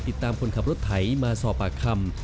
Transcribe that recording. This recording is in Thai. ติดตามคนขับรถไถมาสอบปากคำ